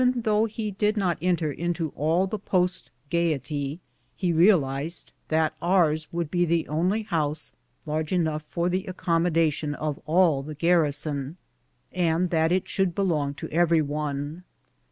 Though he did not enter into all the post gayety, he re alized that ours would be the only house large enough for the accommodation of all the garrison, and that it should belong to every one.